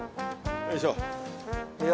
よいしょ。